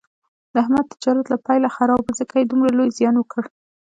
د احمد تجارت له پیله خراب و، ځکه یې دومره لوی زیان وکړ.